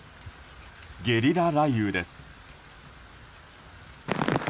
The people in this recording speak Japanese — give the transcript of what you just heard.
ゲリラ雷雨です。